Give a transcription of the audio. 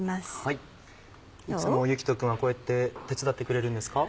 いつも志人君はこうやって手伝ってくれるんですか？